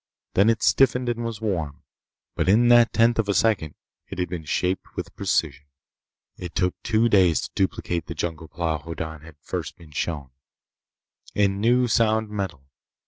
Then it stiffened and was warm. But in that tenth of a second it had been shaped with precision. It took two days to duplicate the jungle plow Hoddan had first been shown, in new sound metal.